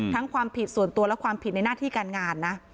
ความผิดส่วนตัวและความผิดในหน้าที่การงานนะ